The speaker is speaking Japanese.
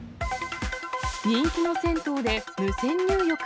人気の銭湯で無銭入浴。